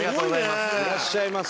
いらっしゃいませ。